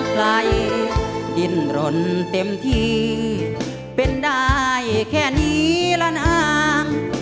ซับไขร่ดินรนเต็มที่เป็นได้แค่นี้ละน้าง